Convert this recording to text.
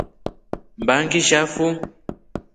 Mba ngishafu.